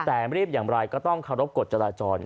แต่รีบอย่างไรก็ต้องเคารพกฎจราจร